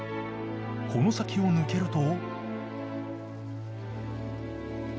この先を抜けると。